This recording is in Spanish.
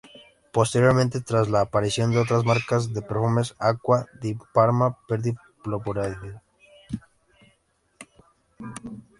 Posteriormente, tras la aparición de otras marcas de perfumes, Acqua di Parma perdió popularidad.